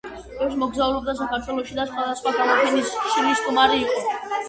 ბევრს მოგზაურობდა საქართველოში და სხვადასხვა გამოფენის ხშირი სტუმარი იყო.